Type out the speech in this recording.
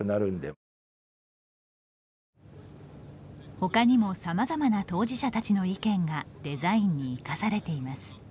ほかにもさまざまな当事者たちの意見がデザインに生かされています。